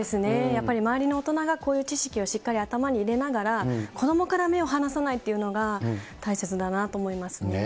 やっぱり周りの大人がこういう知識をしっかり頭に入れながら、子どもから目を離さないっていうのが、大切だなと思いますね。